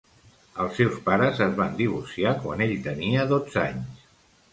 Els seus pares es van divorciar quan ell tenia dotze anys.